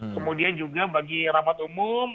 kemudian juga bagi rapat umum